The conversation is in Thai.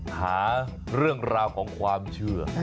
หาเรื่องราวของความเชื่อ